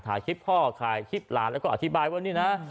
ถ่ายคลิปพ่อถ่ายคลิปหลานแล้วก็อธิบายว่านี่นะ